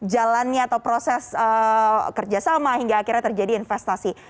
jalannya atau proses kerjasama hingga akhirnya terjadi investasi